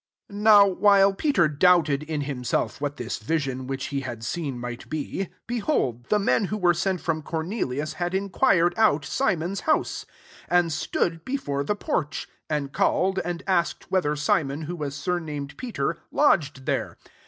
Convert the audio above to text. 17 >6)w while Peter doubted in himself what this vision which he had seen might be, behold, the men who were sent from Cornelius had inquired out Simon's house; and stood before the porch, 18 and call ed, and asked whether Simon, who was sumamed Peter, lodg ed diere.